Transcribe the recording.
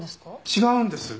違うんです。